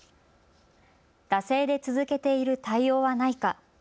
惰性で続けている対応はないか。